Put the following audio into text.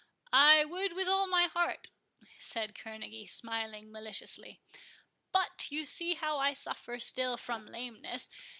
"I would with all my heart," said Kerneguy, smiling maliciously; "but you see how I suffer still from lameness.